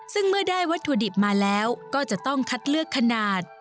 ซึ่งเมื่อได้วัตถุดิบมาแล้วก็จะต้องคัดเลือกขนาด